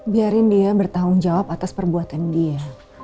biarin dia bertanggung jawab atas perbuatan dia